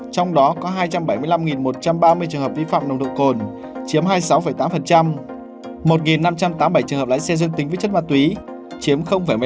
trong đó có hai trăm bảy mươi năm một trăm ba mươi trường hợp vi phạm nồng độ cồn chiếm hai mươi sáu tám một năm trăm tám mươi bảy trường hợp lái xe dương tính với chất ma túy chiếm một mươi bảy